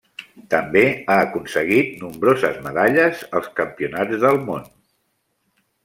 També ha aconseguit nombroses medalles als Campionats del món.